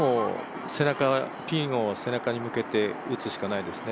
ピンを背中に向けて打つしかないですね。